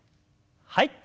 はい。